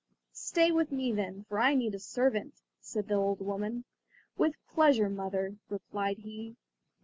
"Stay with me, then, for I need a servant," said the old woman. "With pleasure, mother," replied he.